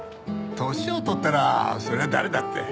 年を取ったらそりゃ誰だって。